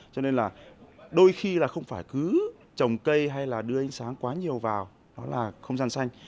cho nên là đôi khi là không phải cứ trồng cây hay là đưa ánh sáng quá nhiều vào đó là không gian xanh